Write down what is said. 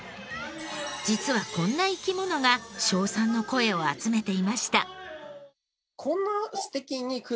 実はこんな生き物が称賛の声を集めて集めていました。